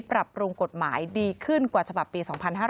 ปรับปรุงกฎหมายดีขึ้นกว่าฉบับปี๒๕๕๙